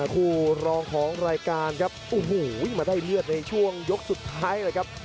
คู่รองของรายการครับโอ้โหมาได้เลือดในช่วงยกสุดท้ายเลยครับ